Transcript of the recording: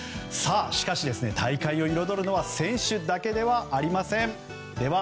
しかし、大会を彩るのは選手だけではありません。